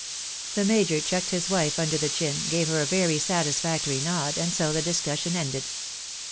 The major chucked his wife under the chin, gave her a very satisfactory nod, and so the discussion ended.